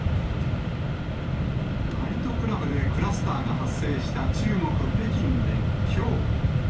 ナイトクラブでクラスターが発生した中国・北京できょう。